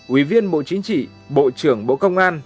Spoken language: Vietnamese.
ủy viên bộ chính trị bộ trưởng bộ công an